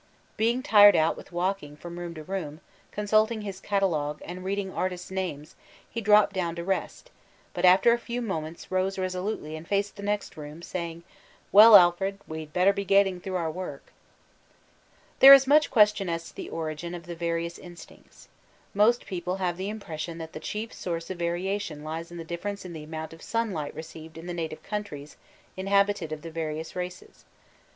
Being tired out with walk* ing from room to room, consulting his catalogue, and reading artists' names, he dropped down to rest; but after a few moments rose resolutely and faced the next room, saying, "Well, Alfred, we'd better be getting through our work." There is much question as to the origin of the various instincts. Most people have the impression that the chief source of variation lies in the diflference in the amount of sunlight received in the native countries inhabited of the various races.